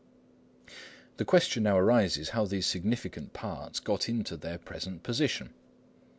The question now arises how these significant parts got into their present position.